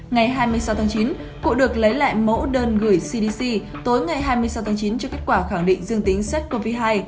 ngày hai mươi sáu tháng chín cụ được lấy lại mẫu đơn gửi cdc tối ngày hai mươi sáu tháng chín cho kết quả khẳng định dương tính sars cov hai